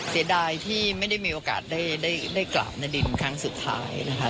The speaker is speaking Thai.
เสียดายที่ไม่ได้มีโอกาสได้กราบนาดินครั้งสุดท้ายนะคะ